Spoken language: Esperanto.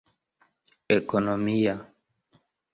ekonomia